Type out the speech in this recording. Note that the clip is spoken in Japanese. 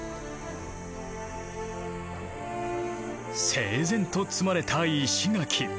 整然と積まれた石垣。